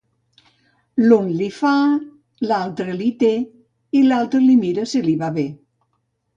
L'un l'hi fa, l'altre l'hi té, i l'altre li mira si li va bé.